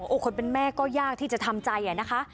โอเคเป็นแม่ก็ยากที่ทำใจนะคะ